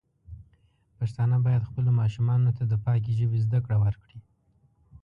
پښتانه بايد خپلو ماشومانو ته د پاکې ژبې زده کړه ورکړي.